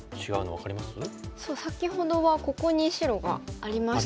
そう先ほどはここに白がありましたね。